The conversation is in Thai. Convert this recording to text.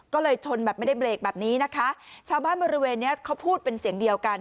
ก็เลยชนแบบไม่ได้เบรกแบบนี้นะคะชาวบ้านบริเวณเนี้ยเขาพูดเป็นเสียงเดียวกัน